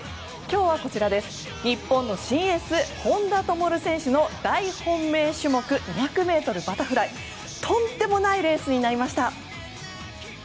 日本の新エース本多灯選手の大本命種目２００ｍバタフライとんでもないレースになりました。